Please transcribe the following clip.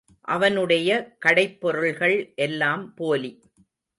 அவனுடைய கடைப்பொருள்கள் எல்லாம் போலி.